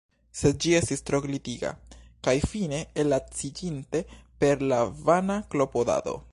Sed ĝi estis tro glitiga; kaj fine, ellaciĝinte per la vana klopodado.